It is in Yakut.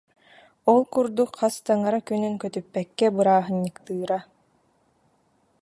Ол курдук хас таҥара күнүн көтүппэккэ бырааһынньыктыыра